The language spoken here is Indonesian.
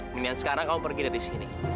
mendingan sekarang kamu pergi dari sini